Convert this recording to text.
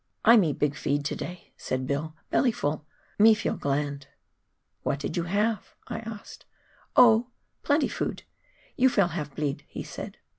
"" I me big feed to day," said Bill ;" belly full, me feel gland." " What did you have ?" I asked. " Oh, plenty food — you fell' have blead," he replied.